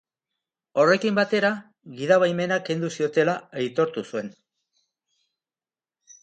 Horrekin batera, gidabaimena kendu ziotela aitortu zuen.